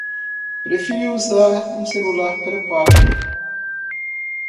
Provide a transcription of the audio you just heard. Preferiu usar um celular pré-pago